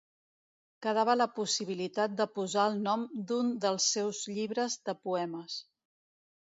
Quedava la possibilitat de posar el nom d'un dels seus llibres de poemes.